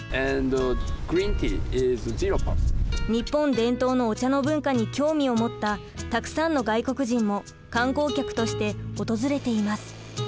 日本伝統のお茶の文化に興味を持ったたくさんの外国人も観光客として訪れています。